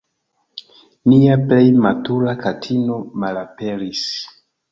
"Nia plej matura katino malaperis.